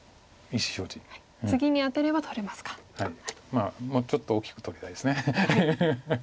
まあもうちょっと大きく取りたいです。